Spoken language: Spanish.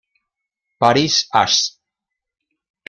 Paris; Ass.